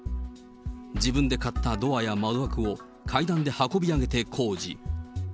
自分で買ったドアや窓枠を階段で運び上げて工事。